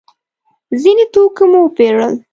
ځینې توکي مو وپېرل.